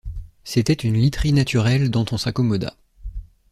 C’était une literie naturelle dont on s’accommoda.